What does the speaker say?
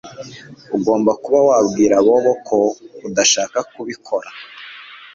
Ugomba kuba wabwira Bobo ko udashaka kubikora